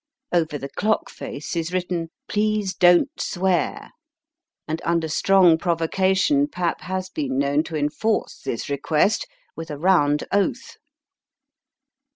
Over the clock face is written " Please don't swear;" and under strong provocation Pap has been known to enforce this request with a round oath.